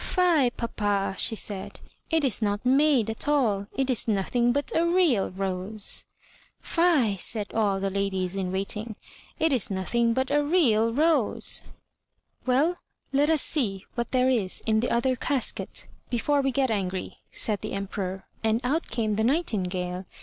"Fie, papa!" she said; "it is not m«rf^ at all, it is nothing but a real roseV* "Fie," said all the ladies in waiting; "it is nothing but a real rose!" 270 i THE TREASURE CHEST "Well, let us see what there is in the other casket, before we get angry," said the Emperor, and out came the nightingale.